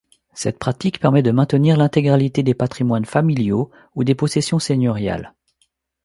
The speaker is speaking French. Cette pratique permet de maintenir l'intégralité des patrimoines familiaux ou des possessions seigneuriales.